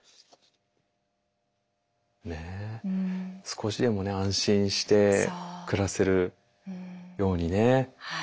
少しでも安心して暮らせるようにね。